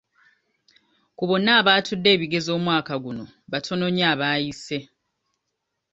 Ku bonna abaatudde ebigezo omwaka guno batono nnyo abaayise.